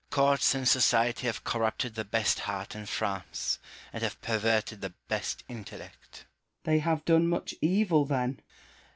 Rousseau. Courts and society have corrupted the best heart in France, and have perverted the best intellect. Malesherbes. They have done much evil then.